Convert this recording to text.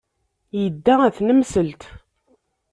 Yedda ɣer tnemselt.